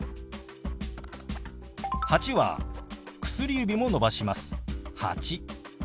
「８」は薬指も伸ばします。